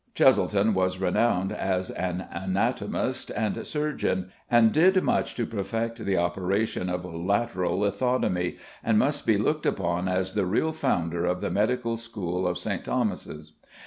Cheselden was renowned as an anatomist and surgeon, and did much to perfect the operation of lateral lithotomy, and must be looked upon as the real founder of the medical school of St. Thomas's.